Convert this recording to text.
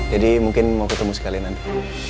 jadi mungkin mau ketemu sekali nanti